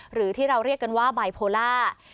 หรือที่เราเรียกกันว่าบายโพล่า